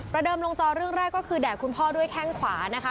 เดิมลงจอเรื่องแรกก็คือแดกคุณพ่อด้วยแข้งขวานะคะ